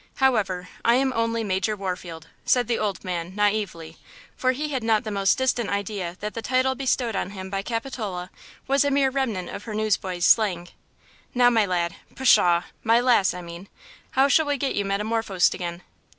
However, I am only Major Warfield," said the old man, naively, for he had not the most distant idea that the title bestowed on him by Capitola was a mere remnant of her newsboys "slang." "Now, my lad–pshaw! my lass, I mean–how shall we get you metamorphosed again?"